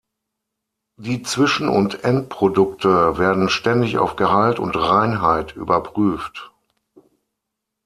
Die Zwischen- und Endprodukte werden ständig auf Gehalt und Reinheit überprüft.